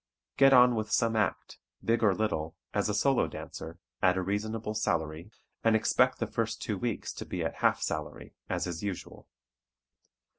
Get on with some act, big or little, as a solo dancer, at a reasonable salary, and expect the first two weeks to be at half salary, as is usual.